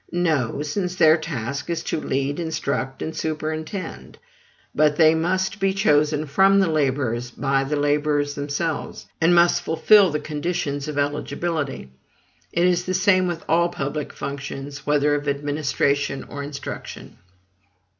No; since their task is to lead, instruct, and superintend. But they must be chosen from the laborers by the laborers themselves, and must fulfil the conditions of eligibility. It is the same with all public functions, whether of administration or instruction.